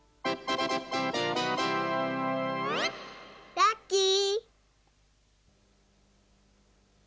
ラッキー！